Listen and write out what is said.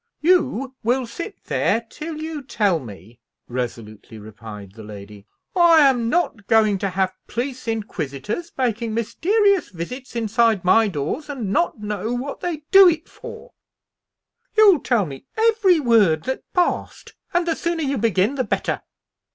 "You will sit there till you tell me," resolutely replied the lady. "I am not going to have police inquisitors making mysterious visits inside my doors, and not know what they do it for. You'll tell me every word that passed, and the sooner you begin, the better."